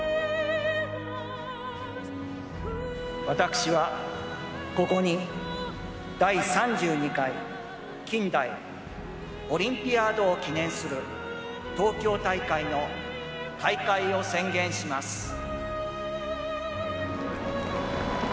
私はここに第３２回近代オリンピアードを記念する東京大会の開会を宣言します。